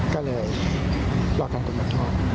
ก็เลยรอตรงกลางพอ